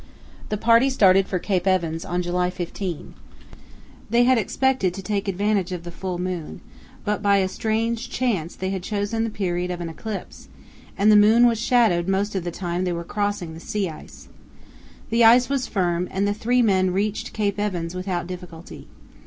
The party started for Cape Evans on July 15. They had expected to take advantage of the full moon, but by a strange chance they had chosen the period of an eclipse, and the moon was shadowed most of the time they were crossing the sea ice. The ice was firm, and the three men reached Cape Evans without difficulty.